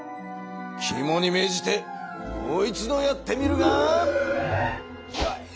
きもにめいじてもう一度やってみるがよい！